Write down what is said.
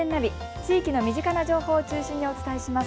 地域の身近な情報を中心にお伝えします。